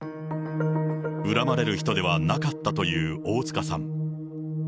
恨まれる人ではなかったという大塚さん。